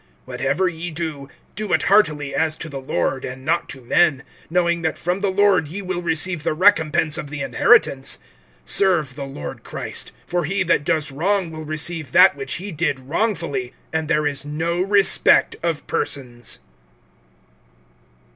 (23)Whatever ye do, do it heartily, as to the Lord, and not to men; (24)knowing that from the Lord ye will receive the recompense of the inheritance. Serve the Lord Christ. (25)For he that does wrong will receive that which he did wrongfully; and there is no respect of persons.